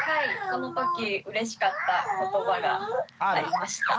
そのときうれしかった言葉がありました。